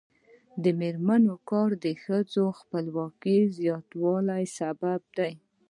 د میرمنو کار د ښځو خپلواکۍ زیاتولو سبب دی.